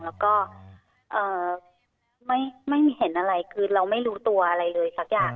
แล้วก็ไม่มีเห็นอะไรคือเราไม่รู้ตัวอะไรเลยสักอย่าง